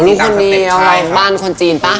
อ๋อนี่คนเดียวหลังบ้านคนจีนป่ะ